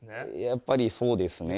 やっぱりそうですね。